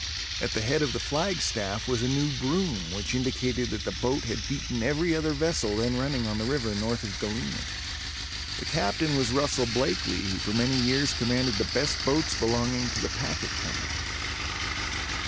At the head of the flagstaff was a new broom which indicated that the boat had beaten every other vessel then running on the river north of Galena. The Captain was Russell Blakeley who for many years commanded the best boats belonging to the Packet Company.